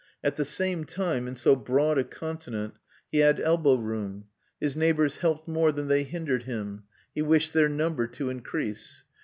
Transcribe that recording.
At the same time, in so broad a continent, he had elbow room. His neighbours helped more than they hindered him; he wished their number to increase.